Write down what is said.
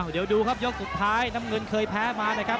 เดี๋ยวดูครับยกสุดท้ายน้ำเงินเคยแพ้มานะครับ